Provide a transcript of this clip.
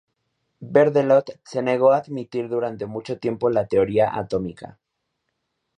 Berthelot se negó a admitir durante mucho tiempo la teoría atómica.